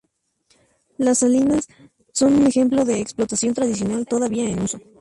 Las salinas son un ejemplo de explotación tradicional todavía en uso.